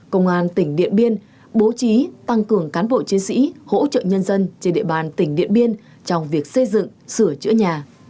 công an tỉnh điện biên bố trí tăng cường cán bộ chiến sĩ hỗ trợ nhân dân trên địa bàn tỉnh điện biên trong việc xây dựng sửa chữa nhà